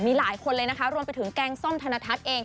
มีหลายคนเลยนะคะรวมไปถึงแกงส้มธนทัศน์เอง